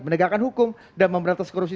mendegarkan hukum dan pemberantasan korupsi